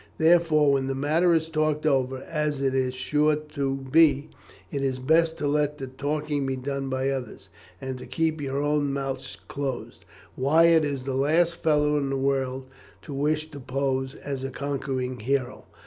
Therefore, when the matter is talked over, as it is sure to be, it is best to let the talking be done by others, and to keep your own mouths closed. Wyatt is the last fellow in the world to wish to pose as a conquering hero."